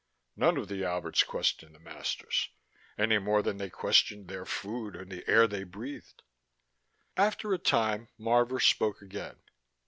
None of the Alberts questioned the masters, any more than they questioned their food or the air they breathed. After a time Marvor spoke again.